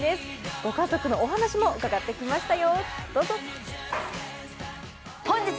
ご家族のお話も伺ってきましたよ。